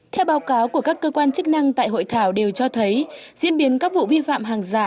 theo báo cáo của các cơ quan chức năng tại hội thảo đều cho thấy diễn biến các vụ vi phạm hàng giả